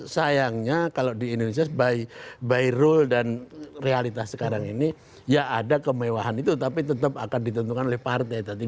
sayangnya kalau di indonesia by rule dan realitas sekarang ini ya ada kemewahan itu tapi tetap akan ditentukan oleh partai